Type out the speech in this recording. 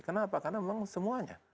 kenapa karena memang semuanya